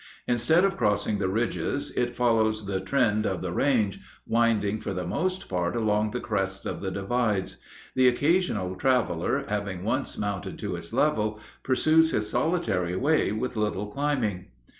Instead of crossing the ridges it follows the trend of the range, winding for the most part along the crests of the divides. The occasional traveler, having once mounted to its level, pursues his solitary way with little climbing.